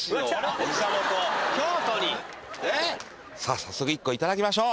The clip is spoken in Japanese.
早速１個いただきましょう！